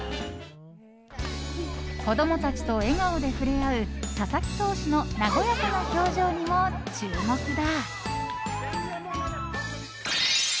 子供たちと笑顔で触れ合う佐々木投手の和やかな表情にも注目だ。